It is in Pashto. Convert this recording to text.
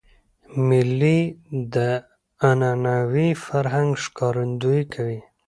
مېلې د عنعنوي فرهنګ ښکارندویي کوي.